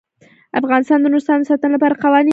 افغانستان د نورستان د ساتنې لپاره قوانین لري.